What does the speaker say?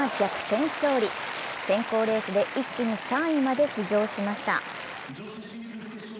選考レースで一気に３位まで浮上しました。